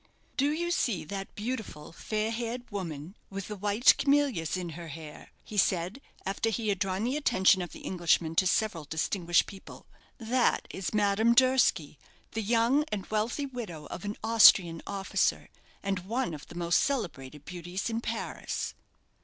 "Do you see that beautiful, fair haired woman, with the white camellias in her hair?" he said, after he had drawn the attention of the Englishman to several distinguished people. "That is Madame Durski, the young and wealthy widow of an Austrian officer, and one of the most celebrated beauties in Paris."